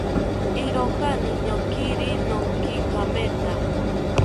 Iroka niñokiri noonki kemetha